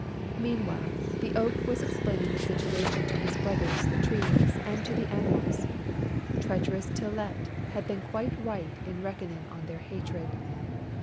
Meanwhile, the Oak was explaining the situation to his brothers the Trees and to the Animals. Treacherous Tylette had been quite right in reckoning on their hatred.